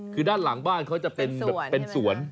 คือด้านหลังบ้านเขาจะเป็นสวน